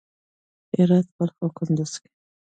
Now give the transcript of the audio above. هرات، بلخ او کندز کې